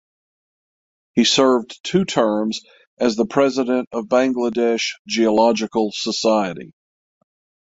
He served two terms as the President of Bangladesh Geological Society.